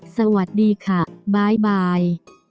สวัสดีค่ะบ๊ายบาย